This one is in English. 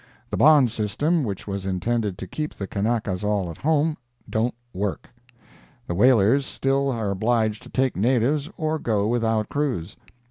The bond system, which was intended to keep the Kanakas all at home, don't work; the whalers still are obliged to take natives or go without crews.